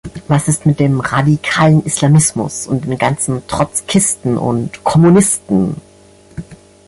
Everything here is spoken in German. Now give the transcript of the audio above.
Was ist mit dem radikalen Islamismus und den ganzen Trotzkisten und Kommunisten?